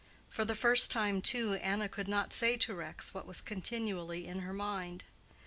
For the first time, too, Anna could not say to Rex what was continually in her mind.